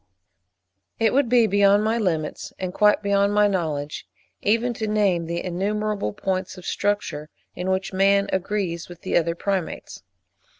It would be beyond my limits, and quite beyond my knowledge, even to name the innumerable points of structure in which man agrees with the other Primates.